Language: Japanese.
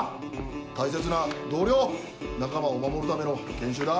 大切な同僚仲間を守るための研修だ。